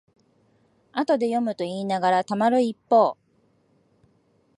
後で読むといいながらたまる一方